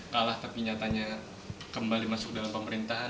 kalah tapi nyatanya kembali masuk dalam pemerintahan